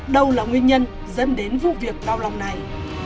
đâu là nguyên nhân dẫn đến vụ việc đau lòng này